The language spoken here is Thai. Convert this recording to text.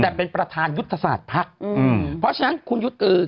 แต่เป็นประธานยุทธศาสตร์ภักดิ์อืมเพราะฉะนั้นคุณยุทธ์เออ